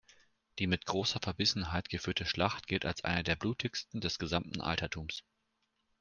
Die mit großer Verbissenheit geführte Schlacht gilt als eine der blutigsten des gesamten Altertums.